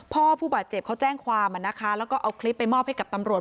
ผู้บาดเจ็บเขาแจ้งความแล้วก็เอาคลิปไปมอบให้กับตำรวจ